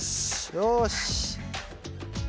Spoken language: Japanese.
よし。